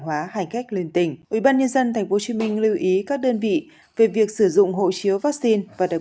hóa hành cách liên tỉnh ubnd tp hcm lưu ý các đơn vị về việc sử dụng hộ chiếu vaccine và được